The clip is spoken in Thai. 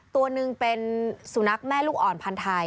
ตัวหนึ่งเป็นสุนัขแม่ลูกอ่อนพันธ์ไทย